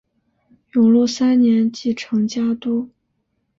永禄三年继承家督。